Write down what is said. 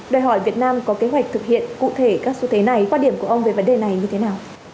đòi hỏi việt nam có kế hoạch thực hiện cụ thể các xu thế này quan điểm của ông về vấn đề này như thế nào